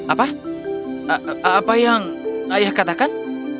apa apa yang ayah katakan